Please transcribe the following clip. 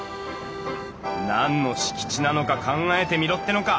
何の敷地なのか考えてみろってのか！